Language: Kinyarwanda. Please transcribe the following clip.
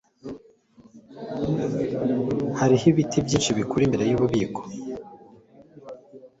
hariho ibiti byinshi bikura imbere yububiko